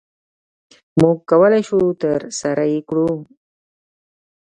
مونږ کولی شو ترسره يي کړو د